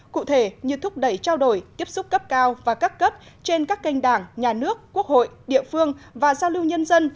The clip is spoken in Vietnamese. cụ thể như thúc đẩy trao đổi tiếp xúc cấp cao và các cấp trên các kênh đảng nhà nước quốc hội địa phương và giao lưu nhân dân